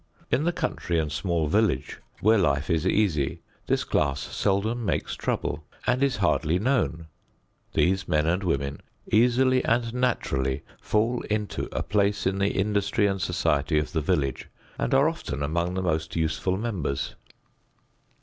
In the country and small village, where life is easy, this class seldom makes trouble and is hardly known. These men and women easily and naturally fall into a place in the industry and society of the village and are often among the most useful members.